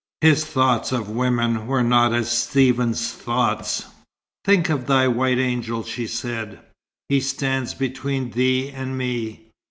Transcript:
His thoughts of women were not as Stephen's thoughts. "Think of thy white angel," she said. "He stands between thee and me."